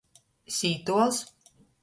Sītuols.